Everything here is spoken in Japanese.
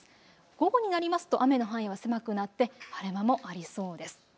午後になりますと雨の範囲は狭くなって晴れ間もありそうです。